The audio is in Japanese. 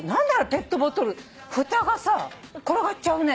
ペットボトルふたがさ転がっちゃうね。